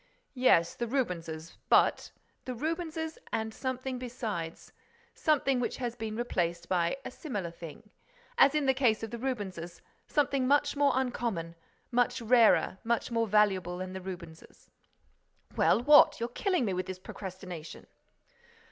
"Yes, the Rubenses—but—" "The Rubenses and something besides—something which has been replaced by a similar thing, as in the case of the Rubenses; something much more uncommon, much rarer, much more valuable than the Rubenses." "Well, what? You're killing me with this procrastination!"